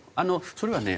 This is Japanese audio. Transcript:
それはね